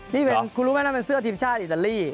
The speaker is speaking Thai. นี่เป็นคุณรู้ไหมนั่นเป็นเสื้อทีมชาติอิตาลี